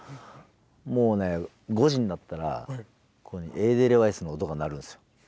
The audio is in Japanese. もうね５時になったら「エーデルワイス」の音が鳴るんですよ。